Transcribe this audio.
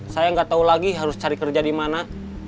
saya nggak tahu lagi harus cari kerja di mana